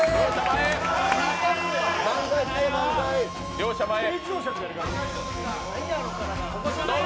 両者前へ。